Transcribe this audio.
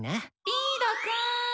リードくん。